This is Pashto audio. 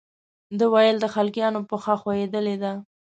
ده ویل د خلقیانو پښه ښویېدلې ده.